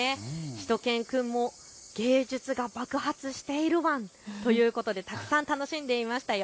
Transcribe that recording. しゅと犬くんも芸術が爆発しているワンということでたくさん楽しんでいましたよ。